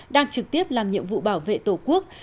đang trực tiếp làm nhiệm vụ bảo vệ tổ quốc